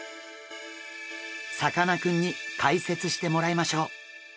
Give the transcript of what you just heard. さかなクンに解説してもらいましょう！